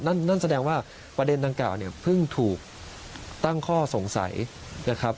นั่นแสดงว่าประเด็นนางกล่าวเพิ่งถูกตั้งข้อสงสัยนะครับ